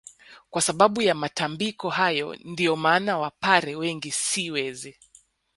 Kwa sababu ya matambiko hayo ndio maana wapare wengi si wezi